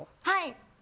はい！